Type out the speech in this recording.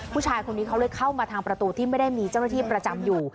ผู้ชายคนนี้เขาเลยเข้ามาทางประตูที่ไม่ได้มีเจ้าหน้าที่ประจำอยู่